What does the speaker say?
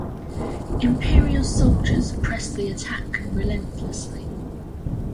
Imperial soldiers pressed the attack relentlessly.